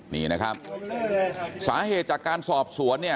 เนี้ยครับสาเหตุจากการสอบสวน